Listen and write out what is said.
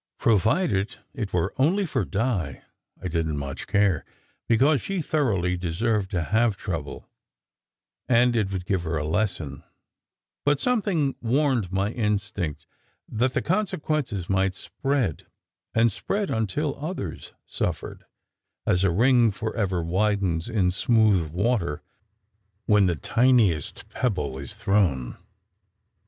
Provided it were only for Di, I didn t much care, because she thoroughly deserved to have trouble, and it would give her a lesson; but something warned my instinct that the consequences might spread and spread until others suffered, as a ring forever widens in smooth water when the tiniest pebble is thrown.